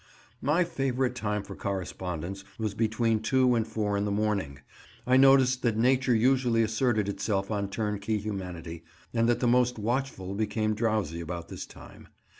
My favourite time for correspondence was between two and four in the morning. I noticed that nature usually asserted itself on turnkey humanity, and that the most watchful became drowsy about this time.